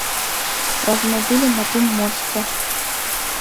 Раз мы былі на тым мосце.